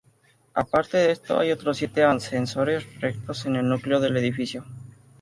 Aparte de esto, hay otros siete ascensores rectos en el núcleo del edificio.